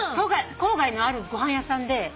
郊外のあるご飯屋さんで。